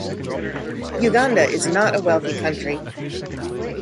Uganda is not a wealthy country.